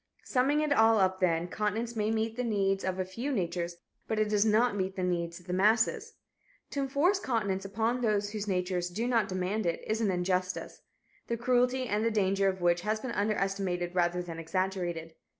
Summing it all up, then, continence may meet the needs of a few natures, but it does not meet the needs of the masses. To enforce continence upon those whose natures do not demand it, is an injustice, the cruelty and the danger of which has been underestimated rather than exaggerated.